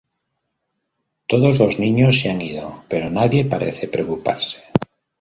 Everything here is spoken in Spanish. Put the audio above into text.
Todos los niños se han ido, pero nadie parece preocuparse.